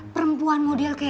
perempuan model kayaknya